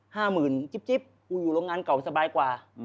ห้าหมื่นจิ๊บกูอยู่โรงงานเก่าสบายกว่า